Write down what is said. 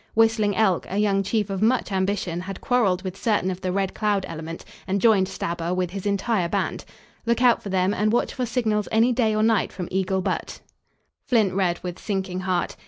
Whistling Elk, a young chief of much ambition had quarrelled with certain of the Red Cloud element, and joined Stabber, with his entire band. "Look out for them and watch for signals any day or night from Eagle Butte." Flint read with sinking heart.